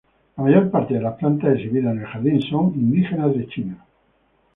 La mayor parte de las plantas exhibidas en el jardín son indígenas de China.